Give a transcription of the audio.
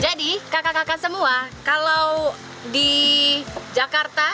jadi kaka kaka semua kalau di jakarta